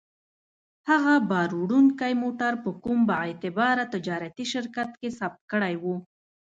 هغه باروړونکی موټر په کوم با اعتباره تجارتي شرکت کې ثبت کړی و.